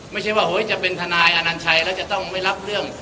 ไม่ใช่ว่าจะเป็นทนายอนัญชัยแล้วจะต้องไม่รับเรื่อง